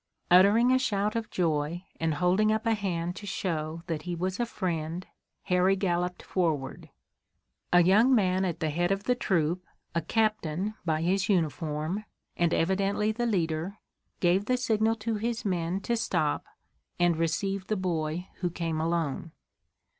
Uttering a shout of joy and holding up a hand to show that he was a friend, Harry galloped forward. A young man at the head of the troop, a captain by his uniform, and evidently the leader, gave the signal to his men to stop, and received the boy who came alone.